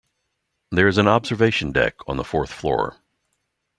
There is an observation deck on the fourth floor.